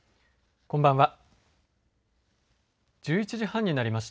こんばんは。